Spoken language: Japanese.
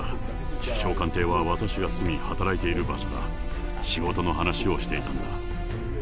首相官邸は私が住み、働いている場所だ、仕事の話をしていたんだ。